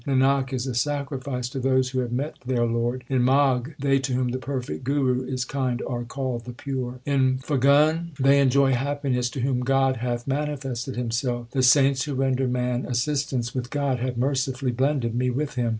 Nanak is a sacrifice to those who have met their Lord. In Magh they to whom the perfect Guru is kind are called the pure. In Phagun they enjoy happiness to whom God hath manifested Himself. The saints who render man assistance with God have mercifully blended me with Him.